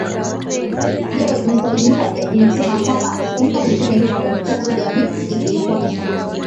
hiyo imesalimisha imesema kwamba aslimia tisini ya mapendekezo ya bp ilikuwa ni sahihi